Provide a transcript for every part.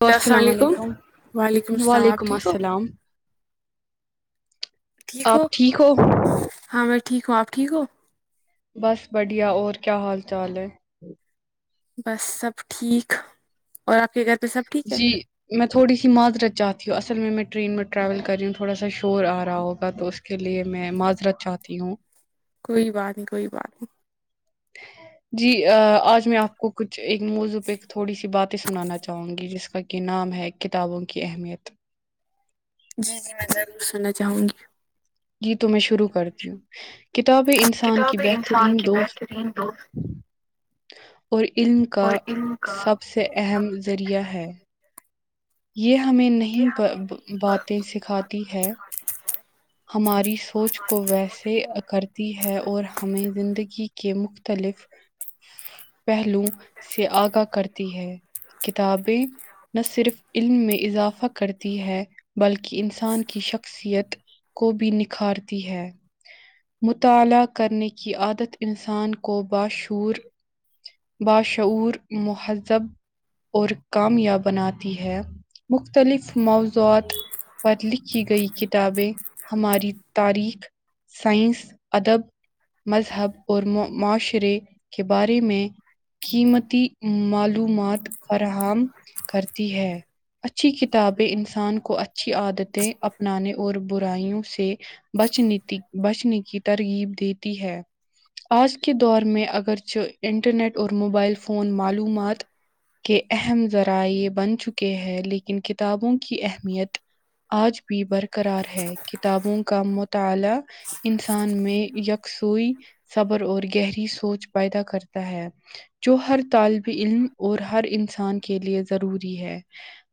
Hello السلام علیکم وعلیکم السلام آپ وعلیکم ٹھیک ہو السلام ٹھیک ہو ہاں میں ٹھیک ہوں آپ ٹھیک ہو بس بڑھیا اور کیا حال چال ہے بس سب ٹھیک اور آپ کے گھر پہ سب ٹھیک ہے جی میں تھوڑی سی معذرت چاہتی ہوں اصل میں میں ٹرین میں ٹریول کر رہی ہوں تھوڑا سا شور آ رہا ہوگا تو اس اس کے لیے میں معذرت چاہتی ہوں کوئی بات نہیں کوئی بات نہیں جی آج میں آپ کو کچھ ایک موضوع پہ تھوڑی سی بات سنانا چاہوں گی جس کا کہ نام ہے کتابوں کی اہمیت جی جی میں ضرور سننا چاہوں گی جی تو میں شروع کرتی ہوں کتابیں انسان کی بہترین دوست اور علم کا سب سے اہم ذریعہ ہے یہ ہمیں نہیں با باتیں سکھاتی ہے ہماری سوچ کو ویسے کرتی ہے اور ہمیں زندگی کے مختلف پہلو سے آگاہ کرتی ہے کتابیں نہ صرف علم میں اضافہ کرتی ہے بلکہ انسان کی شخصیت کو بھی نکھارتی ہے مطالعہ کرنے کی عادت انسان کو باشور باشعور مہذب اور کامیاب بناتی ہے مختلف موضوعات پر لکھی گئی کتابیں ہماری تاریخ سائنس ادب مذہب اور معا معاشرے کے بارے میں قیمتی معلومات فراہم کرتی ہے اچھی کتابیں انسان کو اچھی عادتیں اپنانے اور بر برایوں سے بچنے تی بچنے کی ترغیب دیتی ہے آج کے دور میں اگرچہ انٹرنیٹ اور موبائل فون معلومات کے اہم ذرائع یہ بن چکے ہیں لیکن کتنے کتابوں کی اہمیت آج بھی برقرار ہے کتابوں کا مطالعہ انسان میں یکسوئی صبر اور گہری سوچ پیدا کرتا ہے جو ہر طالب علم اور ہر انسان کے لیے ضروری ہے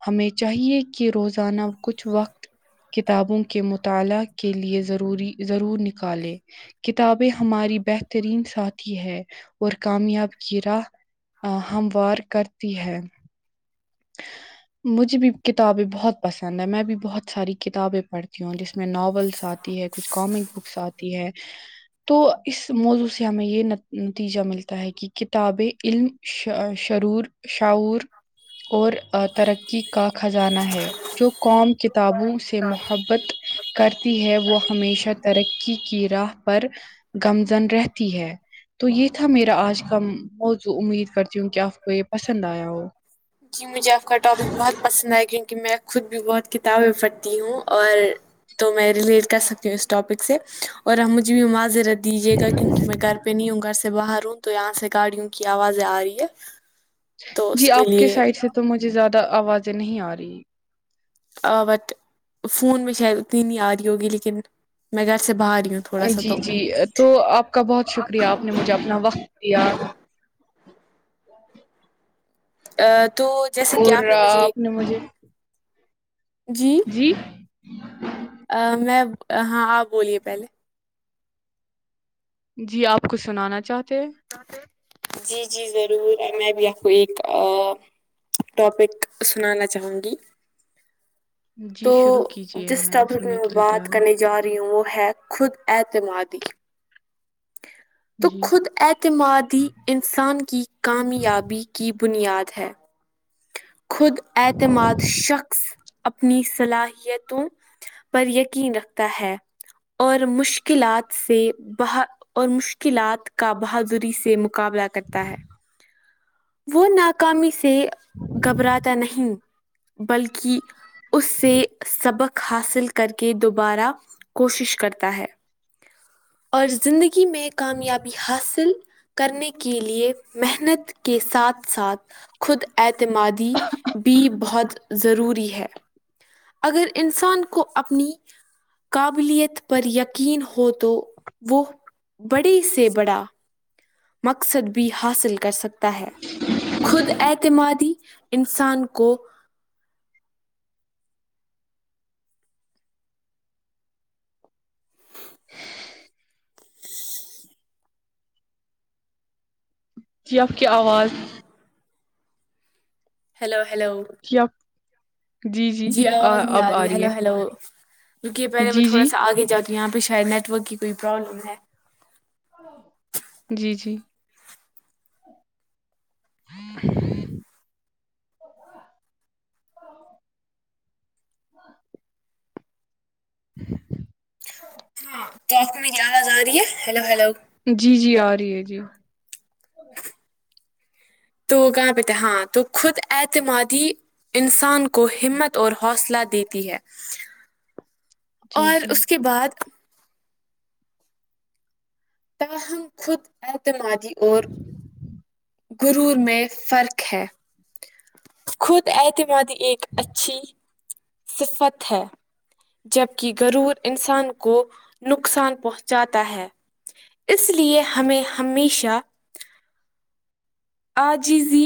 ہمیں چاہیے کہ روزانہ کچھ وقت کتابوں کے مطالعہ کے لیے ضروری ضرور نکالیں کتابیں ہماری بہترین ساتھی ہے اور کامیاب کی راہ آ ہموار کرتی ہے مجھے بھی کتابیں بہت پسند ہے میں بھی بہت ساری کتابیں پڑھتی ہوں جس میں ناولس آتی ہے کچھ کامک بکس آتی ہے تو اس موضوع سے ہمیں یہ نتیجہ ملتا ہے کہ کتابیں علم شا شرور شعور اور آ ترقی کا کھجانا ہے جو قوم کتابوں سے محبت کرتی ہے وہ ہمیشہ ترقی کی راہ پر گمزن رہتی ہے تو یہ تھا میرا آج کہ موضوع امید کرتی ہوں کہ آپ کو یہ پسند آیا ہو جی مجھے آپ کا ٹاپک بہت پسند آئے کیونکہ میں خود بھی بہت کتابیں پڑھتی ہوں اور تو میں ریلیٹ کر سکتی ہوں اس ٹاپک سے اور مجھے بھی معذرت دیجیے گا کیونکہ میں گھر پہ نہیں ہوں گھر سے باہر ہوں تو یہاں سے گاڑیوں کی آواز آ رہی ہے تو اس جی آپ کے سائڈ سے لیے تو مجھے زیادہ آوازیں نہیں آ رہی آواز فون میں شاید اتنی نہیں آ رہی ہوگی لیکن میں گھر سے باہر ہی ہوں تھوڑا سا جی تو جی تو آپ کا بہت شکریہ آپ نے مجھے اپنا وقت دیا ا تو جیسے کہ اور آپ نے مجھے نے مجھے جی آ میں ہاں آپ بولیے پہلے جی آپ کچھ سنانا چاہتے ہیں جی جی ضرور میں بھی آپ کو ایک آ ٹاپک سنانا چاہوں گی جی تو شروع کیجیے جس میں ٹاپک سننے کے لیے بات تیار ہوں کرنے جا رہی ہوں وہ ہے خود اعتمادی تو جی خود اعتمادی انسان کی کامیابی کی بنیاد ہے خود اعتماد شخص اپنی صلاحیتوں پر یقین رکھتا ہے اور مشکلات سے بہت اور مشکلات کا بہادری سے مقابلہ کرتا ہے وہ ناکامی سے گھبراتا نہیں بلکہ اس سے سبق حاصل کر کے دوبارہ کوشش کرتا ہے اور زندگی مشکل میں کامیابی حاصل کرنے کے لیے محنت کے ساتھ ساتھ خود اعتمادی بھی بہت ضروری ہے اگر انسان کو اپنی قابلیت پر یقین ہو تو وہ بڑی سے بڑا مقصد بھی حاصل کر سکتا ہے خود اعتمادی انسان کو [inaudible] [inaudible] جی آپ کی آواز ہیلو ہیلو جی آپ جی آواز نہیں آ رہی ہے ہلو ہیلو رکیے پہلے میں جی تھوڑا جی سا آگے جاتا یہاں پہ شاید نیٹ ورک کی کوئی پرابلم ہے جی جی [inaudible] ہاں تو آپ کو میری آواز آ رہی ہے ہیلو ہیلو جی جی آ رہی ہے جی تو کہاں پہ تھے ہاں تو خود اعتمادی انسان کو ہمت اور حوصلہ دیتی ہے جی اور جی اس کے بعد تاہم خود اعتمادی اور غرور میں فرق ہے خود اعتمادی ایک اچھی صفت ہے جبکہ غرور انسان کو نقصان پہنچاتا ہے اس لیے ہمیں ہمیشہ عاجزی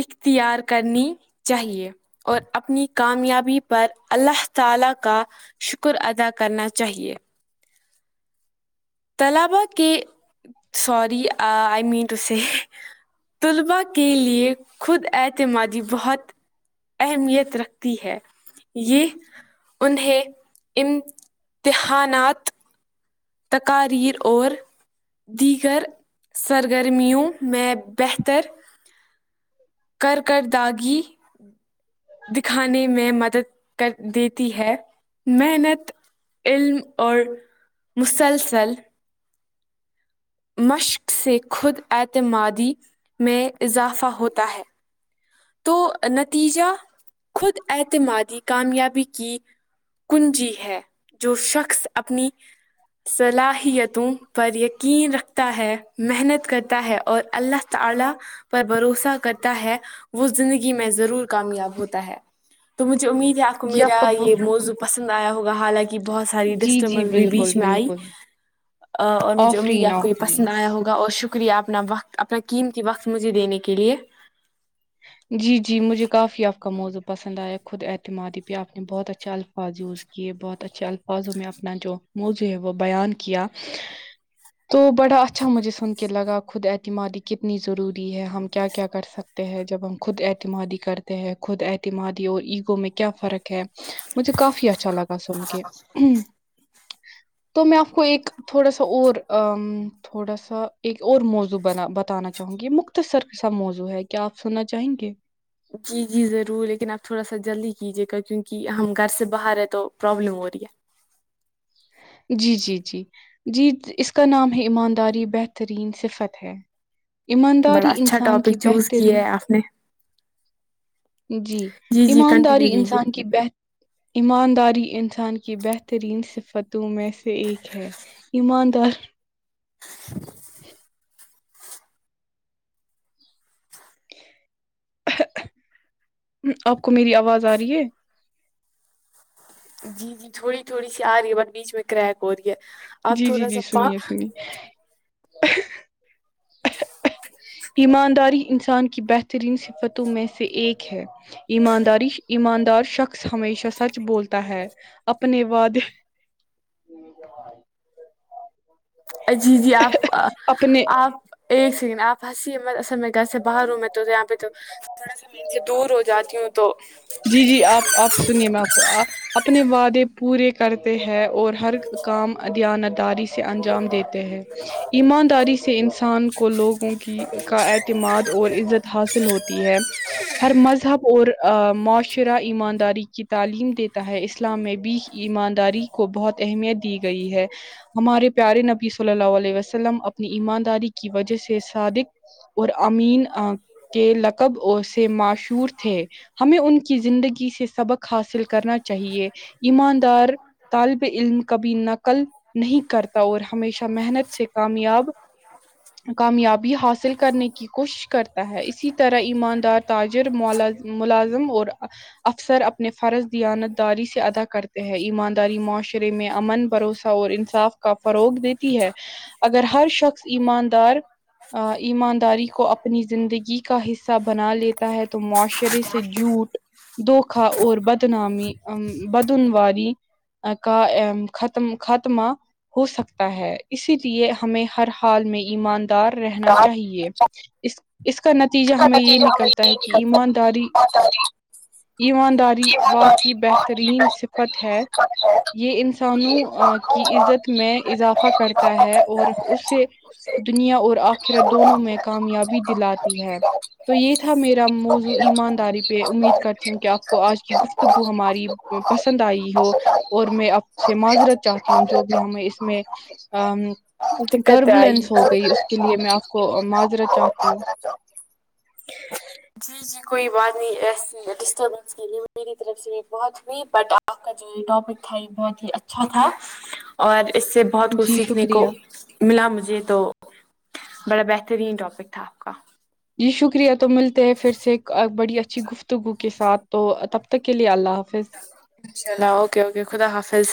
اختیار کرنی چاہیے اور اپنی کامیابی پر اللہ تعالی کا شکر ادا کرنا چاہیے طلابا کے سوری آئی مین ٹو سے طلباء کے لیے خود اعتمادی بہت اہمیت رکھتی ہے یہ انہیں امتحانات تقاریر اور دیگر سرگرمیوں میں بہتر کر کرداگی دکھانے میں مدد کر دیتی ہے محنت علم اور مسلسل مشق سے خود اعتمادی میں اضافہ ہوتا ہے تو نتیجہ خود اعتمادی کامیابی کی کنجی ہے جو شخص اپنی صلاحیتوں پر یقین رکھتا ہے محنت کرتا ہے اور اللہ تعالی پر بھروسہ کرتا ہے وہ زندگی میں ضرور کامیاب ہوتا ہے تو مجھے امید ہے آپ کو جی میرا کا یہ موضوع پسند آیا ہوگا حالانکہ بہت ساری جی جی ڈسٹربنس بھی بالکل بیچ میں آئی بالکل اور مجھے امید آفرین آپ کو یہ آفرین پسند آیا ہوگا اور شکریہ آپ نا وقت اپنا قیمتی وقت مجھے دینے کے لیے جی جی مجھے کافی آپ کا موضوع پسند آیا خود اعتمادی پہ آپ نے بہت اچھا الفاظ یوز کیے بہت اچھے الفاظوں میں اپنا جو موضوع ہے وہ بیان کیا تو بڑا اچھا مجھے سن کے لگا خود اعتمادی کتنی ضروری ہے ہم کیا کیا کر سک تے ہے جب ہم خود اعتمادی کرتے ہیں خود اعتمادی اور ایگو میں کیا فرق ہے مجھ کافی اچھا لگا سن کہ تو میں آپ کو ایک تھوڑا سا اور تھوڑا سا ایک اور موضوع بنا بتانا چاہوں گی یہ مختصرسا موضوع ہے کیا آپ سنا چاہیں گے جی جی ضرور لیکن آپ تھوڑا سا جلدی کیجیے گا کیونکہ ہم گھر سے باہر ہیں تو پروابلم ہو رہی ہے جی جی جی جی اس کا نام ہے ایمانداری بہترین صفت ہے بڑا ایمانداری اچھا انسان کی ٹاپک چوز کیا بہترین ہے آپ نے جی جی ایمانداری کنٹینیو کیجیے انسان کی بہت ایمانداری انسان کی بہترین صفتوں میں سے ایک ہے ایماندار آپ کو میری آواز آ رہی ہے جی جی تھوڑی تھوڑی سی آ رہی ہے بٹ بیچ میں کریک ہو رہی ہے اپ جی، جی، تھوڑا سا جی، پا سنیے، سنیے۔ ایمانداری انسان کی بہترین صفتوں میں سے ایک ہے ایمانداری ایماندار شخص ہمیشہ سچ بولتا ہے اپنے وعدے جی جی آپ اپنے آپ ایک سیکنڈ آپ ہنسیے مت گھر سے باہر ہوں میں تو یہاں پہ تو تھوڑا سا میں ان سے دور ہو جاتی ہوں تو جی جی آپ آپ سنیے میں آپ کو اپنے وعدے پورے کرتے ہیں اور ہر کام دیانت داری سے انجام دیتے ہیں ایمانداری سے انسان کو لوگوں کی کا اعتماد اور عزت حاصل ہوتی ہے ہر مذہب اور معاشرہ ایمانداری کی تعلیم دیتا ہے اسلام میں بھی ایمانداری کو بہت اہمیت دی گئی ہے ہمارے پیارے نبی صلی اللہ علیہ وسلم اپنی ایمانداری کی وجہ سے صادق اور امین کے لقب سے ماشور تھے ہمیں ان کی زندگی سے سبق حاصل کرنا چاہیے ایماندار طلب علم کبھی نقل نہیں کرتا اور ہمیشہ محنت سے کامیاب کامیابی حاصل کرنے کی کوشش کرتا ہے اسی طرح ایماندار تاجر مولا ملازم اور افسر اپنے فرض دیانت داری سے ادا کرتے ہیں ایمانداری معاشرے میں امن بھروسہ اور انصاف کا فروغ دیتی ہے اگر ہر شخص ایماندار ایمانداری کو اپنی زندگی کا حصہ بنا لیتا ہے تو معاشرے سے جھوٹ دھوکھا اور بدنامی بدنواری کا ا ختم ختمہ ہو سکتا ہے اسی لیے ہمیں ہر حال میں ایماندار رہنا کا چاہیے اس اس کا نتیجہ ہمیں یہ نتیجہ ہمیں نکلتا یہ ہے کہ نکل سکتا ایمانداری [unintelligible] یہ ہم داری وا کی بہترین صفت ہے یہ انسانوں یہ انسانوں کی اور عزت میں چیزوں اضافہ میں کرتا اضافہ ہے کرتا اور ہے، اس سے اس سے دنیا اور آخرہ دنیا اور دونوں میں آخرت دونوں میں کامیابی دلاتی کامیابی ہے دلاتی تو ہے۔ یہ تھا میرا دقت موضوع ایمانداری پہ امید کرتی ہوں کہ آپ کو آج کی گفتگو ہماری پسند آئی ہو اور میں آپ سے معذرت چاہتی ہوں جو بھی ہمیں اس میں ام آئی ٹربلینس ہو گئی اس کے لیے میں آپ کو معذرت چاہتی ہوں جی جی کوئی بات نہیں ایسی ڈسٹربس اس کے لیے میری طرف سے بھی بہت ہوئی بٹ آپ کا جو یہ ٹاپک تھا یہ بہت ہی اچھا تھا اور اس سے بہت کچھ جی سیکھنے شکریہ کو ملا مجھے تو بڑا بہترین ٹاپک تھا آپ کا جی شکریہ تو ملتے ہے پھر سے ایک بڑی اچھی گفت گو کے ساتھ تو تب تک کے لیے اللہ حافظ انشاء اللہ اوکے اوکے خدا حافظ